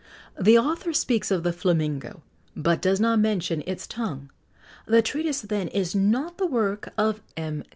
The author speaks of the flamingo, but does not mention its tongue: the treatise, then, is not the work of M.